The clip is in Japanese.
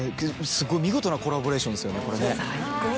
すごい見事なコラボレーションですよねこれ。